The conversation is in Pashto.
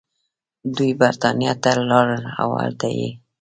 دوي برطانيه ته لاړل او هلتۀ ئې